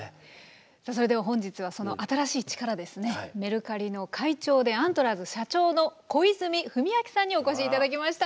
さあそれでは本日はその新しい力ですねメルカリの会長でアントラーズ社長の小泉文明さんにお越し頂きました。